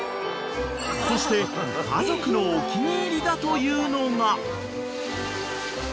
［そして家族のお気に入りだというのが］